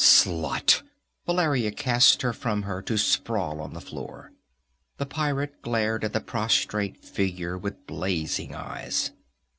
"Slut!" Valeria cast her from her to sprawl on the floor. The pirate glared at the prostrate figure with blazing eyes.